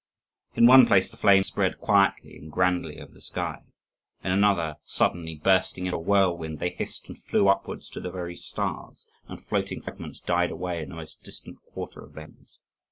In one place the flames spread quietly and grandly over the sky; in another, suddenly bursting into a whirlwind, they hissed and flew upwards to the very stars, and floating fragments died away in the most distant quarter of the heavens.